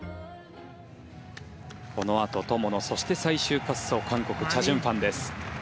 このあと友野そして最終滑走韓国、チャ・ジュンファンです。